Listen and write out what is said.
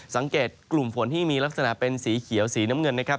สังเกตกลุ่มฝนที่มีลักษณะเป็นสีเขียวสีน้ำเงินนะครับ